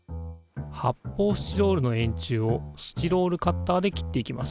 はっぽうスチロールの円柱をスチロールカッターで切っていきます。